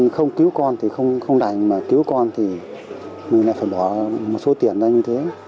không cứu con thì không đành mà cứu con thì mình lại phải bỏ một số tiền ra như thế